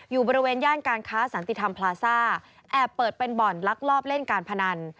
อยู่บริเวณย่านการค้าสันติธรรมพลาซ่าแอบเปิดเป็นบ่อนลักลอบเล่นการพนัน